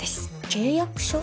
「契約書」？